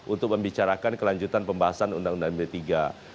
untuk membicarakan kelanjutan pembahasan undang undang md tiga